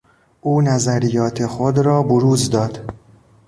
او نظریات خود را بروز داد.